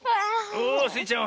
おおスイちゃん